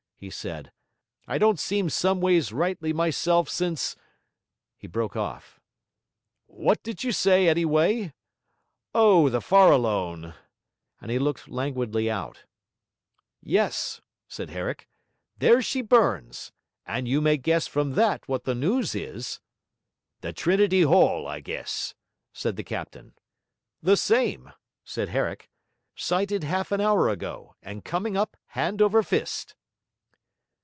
he said. 'I don't seem someways rightly myself since...' he broke off. 'What did you say anyway? O, the Farallone,' and he looked languidly out. 'Yes,' said Herrick. 'There she burns! and you may guess from that what the news is.' 'The Trinity Hall, I guess,' said the captain. 'The same,' said Herrick; 'sighted half an hour ago, and coming up hand over fist.'